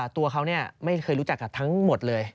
ตัวเขาไม่เคยรู้จักกับทั้งหมดเลย